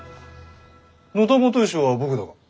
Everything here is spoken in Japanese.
野田基善は僕だが。